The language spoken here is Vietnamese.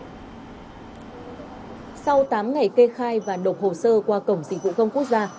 sau tám ngày kê khai và nộp hồ sơ qua cổng dịch vụ công quốc gia